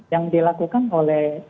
yang dilakukan oleh